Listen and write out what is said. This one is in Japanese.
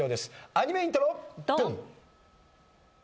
アニメイントロドン！